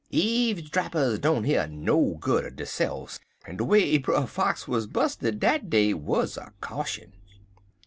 Eave drappers don't hear no good er deyse'f, en de way Brer Fox wuz 'bused dat day wuz a caution.